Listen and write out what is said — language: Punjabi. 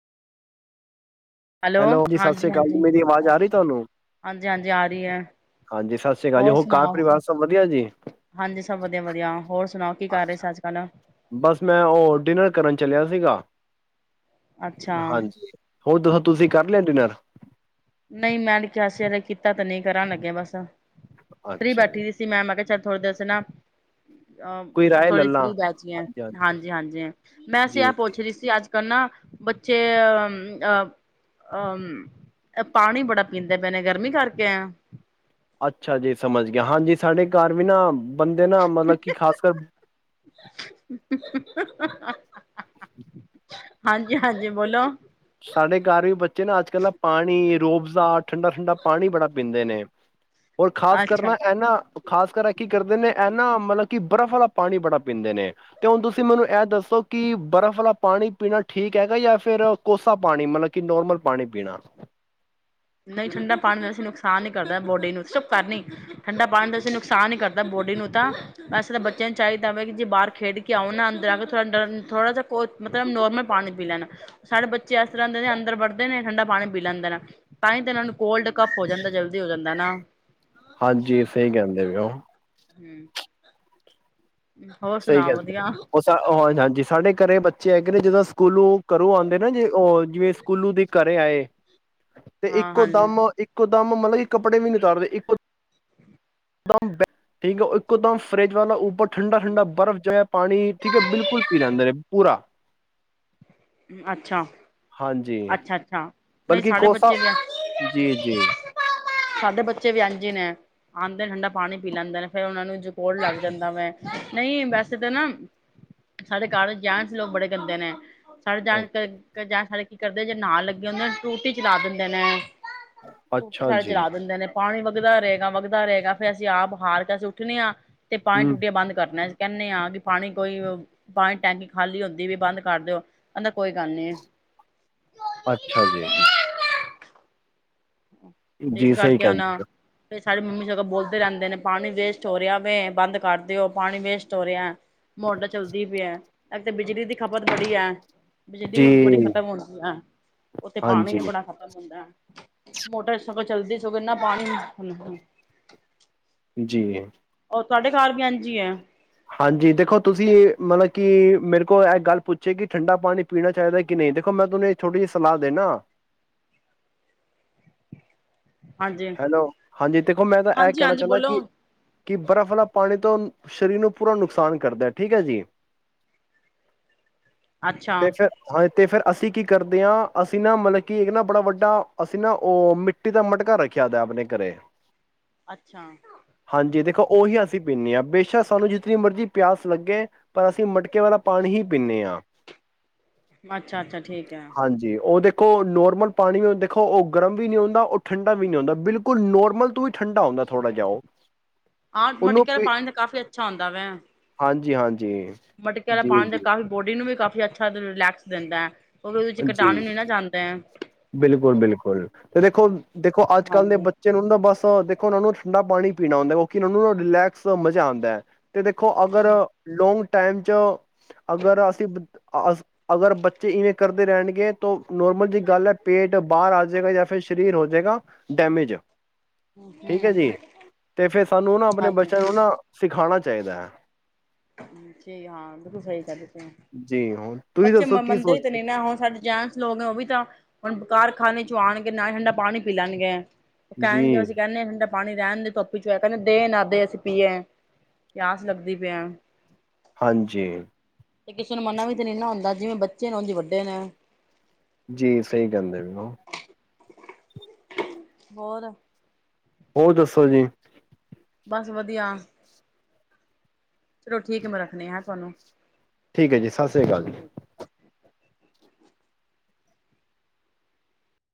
ਹੈਲੋ ਜੀ ਸਤਿ ਸ਼੍ਰੀ ਅਕਾਲ ਜੀ ਹਾਂਜੀ-ਹਾਂਜੀ ਮੇਰੀ ਆਵਾਜ਼ ਸਤਿ ਆ ਰਹੀ ਸ੍ਰੀ ਅਕਾਲ, ਤੁਹਾਨੂੰ ਹਾਂਜੀ-ਹਾਂਜੀ ਆ ਰਹੀ ਹੈ ਹਾਂਜੀ ਸਤਿ ਸ਼੍ਰੀ ਅਕਾਲ ਜੀ ਹੋਰ ਘਰ ਸੁਣਾਓ ਪਰਿਵਾਰ ਸਭ ਵਧੀਆ ਜੀ ਹਾਂਜੀ ਸਭ ਵਧੀਆ-ਵਧੀਆ ਹੋਰ ਸੁਣਾਓ। ਕੀ ਕਰ ਰਹੇ ਅੱਛਾ, ਸੀ ਅੱਜ ਕੱਲ ਬਸ ਮੈਂ ਉਹ ਡਿਨਰ ਕਰਨ ਚਲਿਆ ਸੀ। ਅੱਛਾ [unintelligible] ਹਾਂਜੀ ਹੋਰ ਦੱਸੋ, ਤੁਸੀਂ ਕਰ ਲਿਆ ਡਿਨਰ। ਨਹੀਂ ਮੈਂ ਕਿਹਾ ਸੀ ਕੀਤਾ ਤੇ ਨਹੀਂ ਕਰ ਲੱਗੇਿਆ ਬਸ। ਫ੍ਰੀ ਅੱਛਾ ਬੈਠੀ ਜੀ ਦੀ ਸੀ ਮੈਂ, ਮੈਂ ਕਿਹਾ ਚੱਲ ਥੋੜਾ ਦੱਸਣਾ ਕੋਈ ਅਹ ਰਾਏ ਥੋੜ੍ਹੀ ਲੱਲਾ ਫ੍ਰੀ ਬਹਿਚੀ ਐ ਹਾਂਜੀ ਹਾਂਜੀ ਹਾਂਜੀ-ਹਾਂਜੀ ਮੈਂਸੀ ਜੀ ਆਹ ਜੀ ਪੁੱਛ ਰਹੀ ਸੀ ਅੱਜ-ਕਲਨਾ ਬੱਚੇ ਅਹ ਅਹ ਅਹ ਪਾਣੀ ਬੜਾ ਪੀਂਦੇ ਪੈਣੇ ਗਰਮੀ ਕਰਕੇ ਆ ਅੱਛਾ ਜੀ ਸਮਝ ਗਿਆ ਹਾਂਜੀ ਸਾਡੇ ਘਰ ਵੀ ਨਾ ਬੰਦੇ ਨਾ ਮਤਲਬ ਕਿ ਖਾਸ ਕਰ [unintelligible] [inaudible] ਹਾਂਜੀ ਹਾਂਜੀ ਬੋਲੋ ਸਾਡੇ ਘਰ ਵੀ ਬੱਚੇ ਨਾ ਅੱਜ ਕੱਲ੍ਹ ਨਾ ਪਾਣੀ ਰੂਹਅਫ਼ਜ਼ਾ ਠੰਡਾ ਠੰਡਾ ਪਾਣੀ ਬੜਾ ਪੀਂਦੇ ਨੇ। ਹੋਰ ਖਾਸ ਅੱਛਾ ਕਰਨਾ ਇਹਨਾ ਖਾਸ ਕਰ ਕੀ ਕਰਦੇ ਨੇ ਇਹਨਾਂ ਮਤਲਬ ਕਿ ਬਰਫ਼ ਵਾਲਾ ਪਾਣੀ ਬੜਾ ਪੀਂਦੇ ਨੇ ਅਤੇ ਹੁਣ ਤੁਸੀਂ ਮੈਨੂੰ ਐਹ ਦੱਸੋ ਕਿ ਬਰਫ਼ ਵਾਲਾ ਪਾਣੀ ਪੀਣਾ ਠੀਕ ਹੈਗਾ ਜਾਂ ਫਿਰ ਕੋਸਾ ਪਾਣੀ ਮਤਲਬ ਕਿ ਨੋਰਮਲ ਪਾਣੀ ਪੀਣਾ ਨਹੀਂ ਠੰਡਾ ਪਾਣੀ ਵੈਸੇ ਨੁਕਸਾਨ ਹੀ ਕਰਦਾ ਬੋਡੀ ਨੂੰ ਸਿਰਫ ਨੀ ਠੰਡਾ ਪਾਣੀ ਵੈਸੇ ਤਾ ਨੁਕਸਾਨ ਹੀ ਕਰਦਾ ਹੈ ਬੋਡੀ ਨੂੰ ਤਾਂ ਵੈਸੇ ਤਾਂ ਬੱਚਿਆਂ ਨੂੰ ਚਾਹੀਦਾ ਵਾ ਕਿ ਜੇ ਬਾਹਰ ਖੇਡ ਕੇ ਆਉਣ ਨਾ ਅੰਦਰ ਆ ਕੇ ਥੋੜ੍ਹਾ ਜਿਹਾ ਕੋ ਮਤਲਬ ਨੋਰਮਲ ਪਾਣੀ ਪੀ ਲੈਣ ਸਾਡੇ ਬੱਚੇ ਇਸ ਤਰ੍ਹਾਂ ਦੇ ਨੇ ਅੰਦਰ ਵੜਦੇ ਨੇ ਠੰਡਾ ਪਾਣੀ ਪੀ ਲੈਂਦੇ ਨੇ ਤਾਂ ਹੀ ਤਾਂ ਇਹਨਾਂ ਨੂੰ ਕੋਲਡ ਕਫ ਹੋ ਜਾਂਦਾ ਜਲਦੀ ਹੋ ਜਾਂਦਾ ਨਾ। ਹਾਂਜੀ ਸਹੀ ਕਹਿੰਦੇ ਹੋ। ਹੂੰ ਹੋਰ ਸਹੀ ਸੁਣਾਓ ਕਹਿੰਦੇ ਵਧੀਆ ਉਹ ਹਾਂਜੀ ਹਾਂਜੀ ਸਾਡੇ [unintelligible] ਘਰੇ ਬੱਚੇ ਹੈ ਜਦੋ ਸਕੂਲੋਂ ਘਰੋਂ ਆਉਂਦੇ ਨਾ ਜੇ ਉਹ ਜਿਵੇਂ ਕੁੱਲੂ ਦੇ ਘਰੇ ਆਏ। ਤੇ ਹਾਂ ਇੱਕੋ ਹਾਂਜੀ ਦਮ ਇੱਕੋ ਦਮ ਮਤਲਬ ਕਿ ਕੱਪੜੇ ਵੀ ਨੀ ਤਾਰਦੇ ਇੱਕ ਦਮ ਠੀਕ ਆ ਉਹ ਇੱਕੋ ਦਮ ਫਰਿਜ ਵਾਲਾ ਉੱਪਰ ਠੰਡਾ ਠੰਡਾ ਬਰਫ਼ ਜਿਹਾ ਪਾਣੀ ਠੀਕ ਹੈ। ਬਿਲਕੁਲ ਪੀ ਲੈਂਦੇ ਨੇ ਪੂਰਾ। ਅੱਛਾ ਹਾਂਜੀ ਅੱਛਾ ਅੱਛਾ ਨਹੀਂ ਬਲਕਿ ਸਾਡੇ ਕੋਸਾ ਬੱਚੇ ਵੀ ਜੀ ਜੀ ਸਾਡੇ ਬੱਚੇ ਵੀ ਇੰਝ ਹੀ ਨੇ ਆਂਦੇ, ਠੰਡਾ ਪਾਣੀ ਪੀ ਲੈਂਦੇ ਨੇ, ਫੇਰ ਉਹਨਾਂ ਨੂੰ ਜ ਕੋੋਲਡ ਲੱਗ ਜਾਂਦਾ ਵੇ ਨਹੀਂ ਵੈਸੇ ਤਾਂ ਨਾ ਸਾਡੇ ਘਰ ਜੈਡਸ ਲੋਕ ਬੜੇ ਗੰਦੇ ਨੇ। ਸਾਰੇੇ ਜਾਣ ਜਾ [unintelligible] ਕੀ ਕਰਦੇ ਜੇ ਨਾਲ ਲੱਗੇ ਹੁੰਦੇ ਨੇ ਟੁੱਟੀ ਚਲਾ ਦਿੰਦੇ ਨੇ ਟੁੱਟੀ ਸਾਰੇ ਚਲਾ ਦਿੰਦੇ ਨੇ ਪਾਣੀ ਵ ਵਗਦਾ ਰਹੇਗਾ, ਵਗਦਾ ਰਹੇਗਾ ਫਿਰ ਅਸੀਂ ਆਪ ਹਾਰ ਕੇ ਜਦ ਅਸੀਂ ਉੱਠਣੇ ਹਾਂ ਤੇ ਪਾਣੀ ਟੁਟੀਆ ਬੰਦ ਕਰਨਾ। ਕਹਿਣੇ ਹਾਂ ਕਿ ਪਾਣੀ ਕੋਈ ਪਾਣੀ ਟੈਂਕੀ ਖਾਲੀ ਹੁੰਦੀ ਵੀ ਬੰਦ ਕਰ ਦਿਓ। ਕਹਿੰਦੇ ਕੋਈ ਗੱਲ ਨੀ ਅੱਛਾ ਜੀ ਤੇ ਇਸ ਜੀ ਸਹੀ ਕਰਕੇ ਹੁਣ ਕਹਿੰਦੇ ਹੋ। ਫਿਰ ਸਾਡੀ ਮੰਮੀ ਸਗੋਂ ਬੋਲਦੇ ਰਹਿੰਦੇ ਨੇ ਪਾਣੀ ਵੇਸਟ ਹੋ ਰਿਹਾ ਵੇ ਬੰਦ ਕਰ ਦਿਓ ਪਾਣੀ ਵੇਸਟ ਹੋ ਰਿਹਾ। ਮੋਟਰ ਚੱਲਦੀ ਪਈ ਏ ਇਕ ਤੇ ਬਿਜਲੀ ਦੀ ਖਪਤ ਬੜੀ ਏ ਬਿਜਲੀ ਬੜੀ ਜੀ ਖ਼ਤਮ ਹੁੰਦੀ ਆ ਉੱਥੇ ਪਾਣੀ ਹਾਂਜੀ ਵੀ ਬੜਾ ਖਤਮ ਹੁੰਦਾ ਮੋਟਰ ਸਗੋਂ ਚੱਲਦੀ ਸਗੋਂ ਇਨਾ ਪਾਣੀ ਜੀ ਉਹ ਤੁਹਾਡੇ ਘਰ ਵੀ ਇੰਝ ਹੀ ਏ ਹਾਂਜੀ ਦੇਖੋ ਤੁਸੀਂ ਮਤਲਬ ਕਿ ਮੇਰੇ ਕੋਲ ਇਹ ਗੱਲ ਪੁੱਛੇ ਕਿ ਠੰਡਾ ਪਾਣੀ ਪੀਣਾ ਚਾਹੀਦਾ ਕਿ ਨਹੀਂ ਦੇਖੋ ਮੈਂ ਤੁਹਾਨੂੰ ਥੋੜ੍ਹੀ ਜਿਹੀ ਸਲਾਹ ਦੇਂਦਾ ਹਾਂਜੀ ਹੈਲੋ ਹਾਂਜੀ ਦੇਖੋ ਮੈਂ ਤਾਂ ਐ ਕਹਿਣਾ ਹਾਂਜੀ-ਹਾਂਜੀ ਚਾਹੁੰਦਾ ਬੋਲੋ ਕਿ ਕਿ ਬਰਫ਼ ਵਾਲਾ ਪਾਣੀ ਤੋਂ ਸਰੀਰ ਨੂੰ ਪੂਰਾ ਨੁਕਸਾਨ ਕਰਦਾ ਠੀਕ ਹੈ ਜੀ ਤੇ ਫਿਰ ਅੱਛਾ-ਅੱਛਾ, ਹਾਂ ਤੇ ਫੇਿਰ ਅਸੀਂ ਕੀ ਕਰਦੇ ਹਾਂ ਅਸੀਂ ਨਾ ਮਤਲਬ ਕਿ ਇੱਕ ਨਾ ਬੜਾ ਵੱਡਾ ਅਸੀਂ ਨਾ ਉਹ ਮਿੱਟੀ ਦਾ ਮਟਕਾ ਰੱਖ ਖਿਆਦ ਆਪਣੇ ਘਰੇ ਹਾਂਜੀ ਦੇਖੋ ਉਹੀ ਅਸੀਂ ਪੀਂਦੇ ਹਾਂ ਬੇਸ਼ੱਕ ਸਾਨੂੰ ਜਿਤਨੀ ਮਰਜ਼ੀ ਪਿਆਸ ਲੱਗੇ ਪਰ ਅਸੀਂ ਮਟਕੇ ਵਾਲਾ ਪਾਣੀ ਹੀ ਪੀਂਦੇ ਹਾਂ ਅੱਛਾ, ਅੱਛਾ ਠੀਕ ਹੈ ਓ ਨੌਰਮਲ ਪਣੀ ਓ ਦੇਖੋ ਗਰਮ ਵੀ ਨਈ ਹੁੰਦਾ ਓ ਠੰਡਾ ਵੀ ਨਹੀਂ ਹੁੰਦਾ ਬਿਲਕੁਲ ਨੋਰਮਲ ਤੂੰ ਠੰਡਾ ਹੁੰਦਾ ਥੋੜਾ ਜਿਹਾ ਉਹ ਹਾਂ ਉਹਨੂੰ ਮਟਕੇ ਆਲਾ ਪ ਪਾਣੀ ਤਾਂ ਕਾਫ਼ੀ ਅੱਛਾ ਹੁੰਦਾ ਵੇ। ਹਾਂਜੀ ੀ ਹਾਂਜੀ ਮਟਕੇ ਵਾਲਾ ਜੀ ਪਾਉਣ ਦਾ ਜੀ ਕਾਫ਼ੀ ਬੋਡੀ ਨੂੰ ਵੀ ਕਾਫੀ ਅੱਛਾ ਰਿਲੈਕਸ ਦਿੰਦਾ ਹੈ। ਉਹ ਵੀ ਉਹਦੇ ਚ ਕਟਾਣ ਨੀ ਨਾ ਜਾਂਦਾ ਹੈ ਬਿਲਕੁਲ, ਬਿਲਕੁਲ ਤੇ ਦੇਖੋ ਦੇਖੋ ਅੱਜ ਕੱਲ੍ਹ ਦੇ ਹਾਂਜੀ ਬੱਚੇ ਨੂੰ ਨਾ ਬਸ ਦੇਖੋ ਉਹਨਾਂ ਨੂੰ ਠੰਡਾ ਪਾਣੀ ਪੀਣਾ ਹੁੰਦਾ, ਕਿਉਂਕਿ ਉਹਨਾਂ ਨੂੰ ਰਿਲੈਕਸ ਮਜ਼ਾ ਆਉਂਦਾ ਹੈ ਤੇ ਦੇਖੋ ਅਗਰ ਲੌਂਗ ਟਾਈਮ ਚ ਅਗਰ ਅਸੀਂ ਅਗਰ ਬੱਚੇ ਇਵੇਂ ਕਰਦੇ ਰਹਿਣਗੇ ਤੋਂ ਨੋਰਮਲ ਜਿ ਗੱਲ ਹੈ ਬਾਹਰ ਆ ਜਾਏਗਾ ਜਾਂ ਫਿਰ ਸਰੀਰ ਹੋ ਜਾਏਗਾ ਡੈਮੇਜ ਠੀਕ ਹੈ ਜੀ ਤੇ ਫੇਿਰ ਸਾਨੂੰ ਨਾ ਆਪਣੇ ਹਾਂਜੀ ਬੱਚਿਆਂ ਨੂੰ ਨਾ ਸਿਖਾਉਣਾ ਚਾਹੀਦਾ ਹਾਂ ਬਿਲਕੁਲ ਸਹੀ ਕਰ ਜੀ ਹੁਣ ਤੁਸੀਂ ਬੱਚੇ ਦੱਸੋ ਕੀ ਮੰਨਦੇ ਹੀ ਤੇ ਸੋਚਦੇ ਨਹੀਂ ਨਾ ਹੁਣ ਸਾਡੇ ਜੈਮਸ ਲੋਕ ਨੇ ਉਹ ਵੀ ਤਾਂ ਹੁਣ ਕਾਰਖਾਨੇ ਚ ਆਉਣਗੇ ਨਾ ਠੰਡਾ ਪਾਣੀ ਪੀ ਲੈਣਗੇ ਉਹ ਕਹਿਣਗੇ ਜੀ ਅਸੀਂ ਕਹਿੰਦੇ ਹਡਾ ਪਾਣੀ ਰਹਿਣ ਦੇ ਧੁੱਪੀ ਚਇ ਕਹਿੰਦੇ ਦੇ ਨਾ ਦੇ ਅਸੀਂ ਪੀਏ ਪਿਆਸ ਲੱਗਦੀ ਪਿਆ ਹਾਂ ਹਾਂਜੀ ਤੇ ਕਿਸੇ ਨੂੰ ਮੰਨਨਾ ਵੀ ਤਾਂ ਨ ਨਾ ਹੁੰਦਾ ਜਿਵੇਂ ਬੱਚੇ ਨੇ ਉਹਦੀ ਵੱਡੇ ਨੇ ਜੀ ਸਹੀ ਗਹਿੰਦੇ ਵੀ ਹੋਰ ਹੋਰ ਦੱਸੋ ਜੀ ਬਸ ਵਧੀਆ ਚਲੋ ਠੀਕ ਹੈ ਮੈਂ ਰੱਖਣੇ ਹੈ ਤੁਹਾਨੂੰ ਠੀਕ ਹੈ ਜੀ ਸਤਿੀ [inaudible]